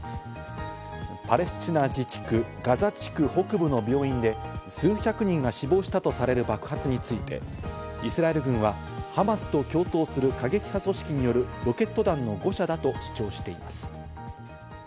パレスチナ自治区・ガザ地区北部の病院で数百人が死亡したとされる爆発について、イスラエル軍は、ハマスと共闘する過激派組織によるロケット弾の誤射だと主張しています。